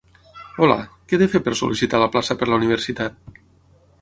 Hola, què he de fer per sol·licitar la plaça per la universitat?